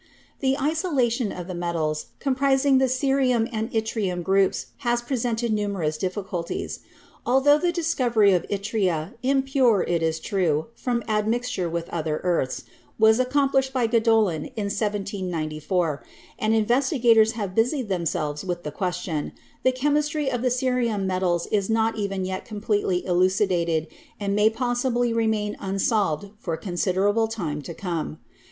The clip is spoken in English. The isolation of the metals comprising the cerium and yttrium groups has presented numerous difficulties. Al tho the discovery of yttria — impure, it is true, from ad mixture with other earths — was accomplished by Gadolin in 1794, and investigators have busied themselves with the question, the chemistry of the cerium metals is not even yet completely elucidated, and may possibly remain un solved for a considerable time to come.